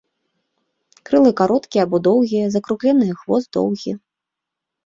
Крылы кароткія або доўгія, закругленыя, хвост доўгі.